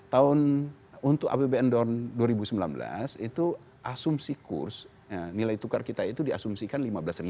tahun untuk apbn tahun dua ribu sembilan belas itu asumsi kurs nilai tukar kita itu diasumsikan lima belas